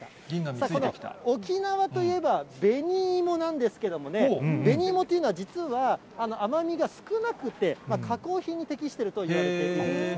沖縄といえば紅芋なんですけどもね、紅芋というのは、実は甘みが少なくて、加工品に適しているといわれているんですね。